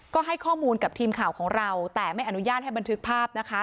ก็ให้ข้อมูลกับทีมข่าวของเราแต่ไม่อนุญาตให้บันทึกภาพนะคะ